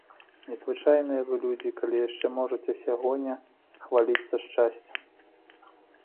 Незвычайныя вы людзі, калі яшчэ можаце сягоння хваліцца шчасцем.